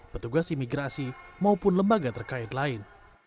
petugas imigrasi maupun lembaga terkait lain